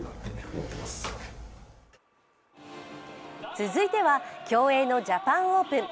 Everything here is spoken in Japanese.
続いては、競泳のジャパンオープン。